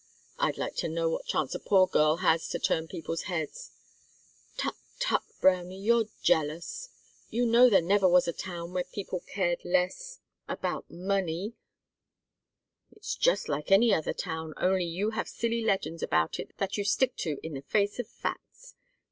"I'd like to know what chance a poor girl has to turn people's heads " "Tut! tut! Brownie, you're jealous. You know there never was a town where people cared less about money " "It's just like any other old town, only you have silly legends about it that you stick to in the face of facts.